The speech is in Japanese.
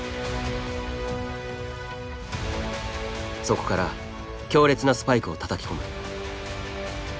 そこから強烈なスパイクをたたき込む。